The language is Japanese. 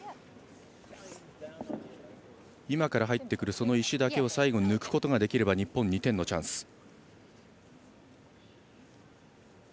今から入ってくる石だけを最後に抜くことができれば日本、２点のチャンス。